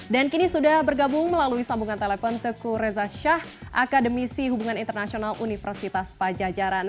dan kini sudah bergabung melalui sambungan telepon teguh reza shah akademisi hubungan internasional universitas pajajaran